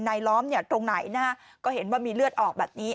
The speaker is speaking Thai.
ล้อมเนี่ยตรงไหนนะฮะก็เห็นว่ามีเลือดออกแบบนี้